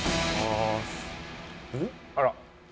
あら！